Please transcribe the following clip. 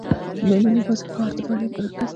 د میمنې ښار د فاریاب مرکز دی